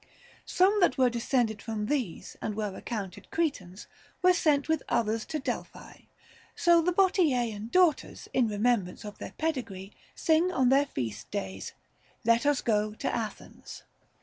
Some that were descended from these and were accounted Cretans were sent with others to Delphi ; so the Bottiaean daughters, in remembrance of their pedigree, sing on their feast days, " Let us go to Athens."